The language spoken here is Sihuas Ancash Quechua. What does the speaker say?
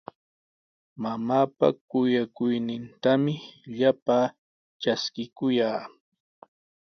Mamaapa kuyakuynintami llapaa traskikuyaa.